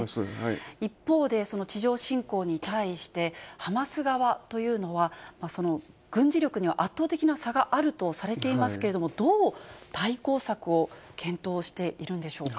一方でその地上侵攻に対して、ハマス側というのは、軍事力には圧倒的な差があるとされていますけれども、どう対抗策を検討しているんでしょうか。